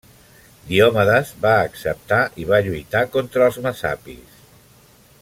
Diomedes va acceptar i va lluitar contra els messapis.